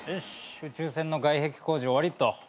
宇宙船の外壁工事終わりっと。